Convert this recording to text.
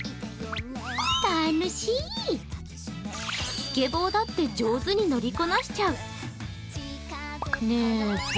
スケボーだって上手に乗りこなしちゃう。